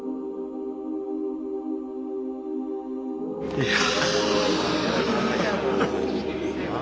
いや。